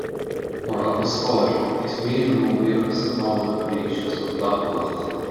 Mar fhocal scoir, is mian liom mo bhuíochas a ghabháil libh arís as bhúr bhflaithiúlacht